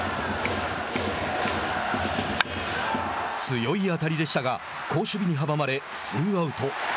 強い当たりでしたが好守備に阻まれツーアウト。